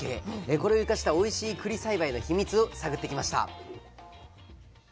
これを生かしたおいしいくり栽培の秘密探ってきました。